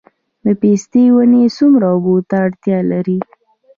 د پستې ونې څومره اوبو ته اړتیا لري؟